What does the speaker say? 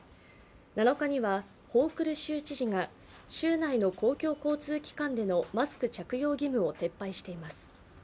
７日には、ホークル州知事が州内の公共交通でのマスク着用義務を撤廃しています。